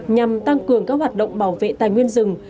nhằm tăng cường các hoạt động bảo vệ tài nguyên rừng